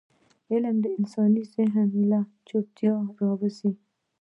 علم د انساني ذهن له چوکاټونه راووځي.